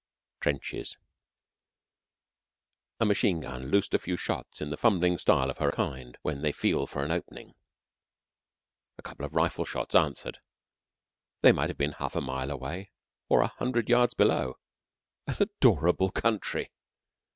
TRENCHES A machine gun loosed a few shots in the fumbling style of her kind when they feel for an opening. A couple of rifle shots answered. They might have been half a mile away or a hundred yards below. An adorable country!